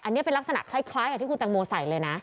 อันนี้เป็นลักษณะคล้ายกับที่คุณตังโมใส่เลยนะ